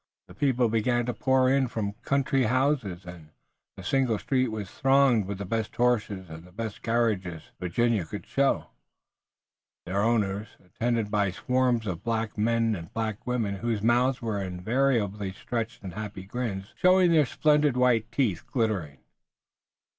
The people began to pour in from the country houses, and the single street was thronged with the best horses and the best carriages Virginia could show, their owners, attended by swarms of black men and black women whose mouths were invariably stretched in happy grins, their splendid white teeth glittering.